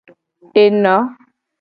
Eno.